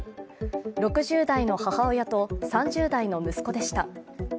６０代の母親と３０代の息子でした。